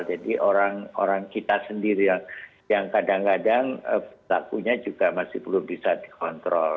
jadi orang orang kita sendiri yang kadang kadang takunya juga masih belum bisa dikontrol